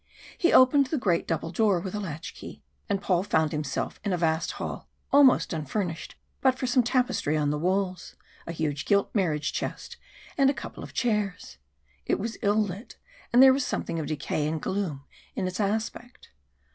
He opened the great double door with a latch key, and Paul found himself in vast hall almost unfurnished but for some tapestry on the walls, and a huge gilt marriage chest, and a couple of chairs. It was ill lit, and there was something of decay and gloom in its aspect.